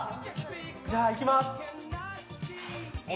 じゃあいきます。